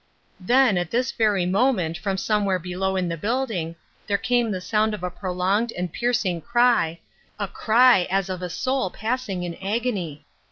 Then at this very moment from somewhere below in the building there came the sound of a prolonged and piercing cry, a cry as of a soul passing in agony.